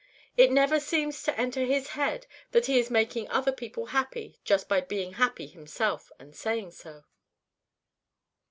It never seems to enter his head that he is making other people happy just by being happy himself and saying so.